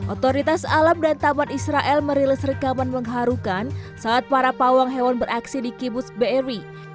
otoritas alam dan taman israel merilis rekaman mengharukan saat para pawang hewan beraksi di kibus beri